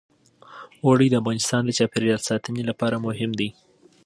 اوړي د افغانستان د چاپیریال ساتنې لپاره مهم دي.